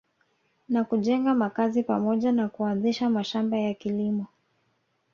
Na kujenga makazi pamoja na kuanzisha mashamba ya kilimo